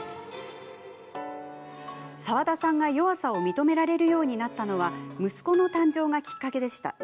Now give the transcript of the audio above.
澤田さんが、弱さを認められるようになったのは息子の誕生がきっかけでした。